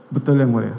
betul yang mulia